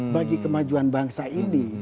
bagi kemajuan bangsa ini